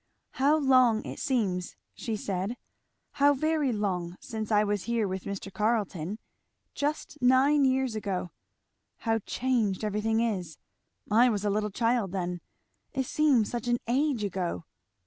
] "How long it seems," she said, "how very long since I was here with Mr. Carleton; just nine years ago. How changed everything is! I was a little child then. It seems such an age ago!